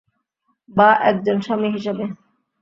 বা একজন স্বামী হিসাবে।